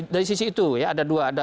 dari sisi itu ya ada dua